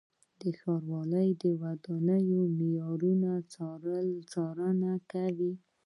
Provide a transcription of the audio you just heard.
ښاروالۍ د ودانیو د معیارونو څارنه کوي.